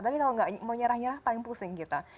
tapi kalau gak mau nyerah nyerah paling pusing kita